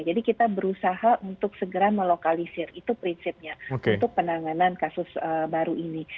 jadi kita berusaha untuk segera melokalisir itu prinsipnya untuk penanganan kasus baru ini